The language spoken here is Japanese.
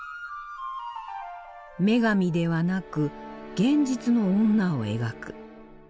女神ではなく現実の女を描く。